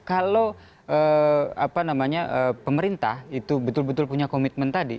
kalau pemerintah itu betul betul punya komitmen tadi